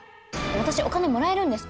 私お金もらえるんですか？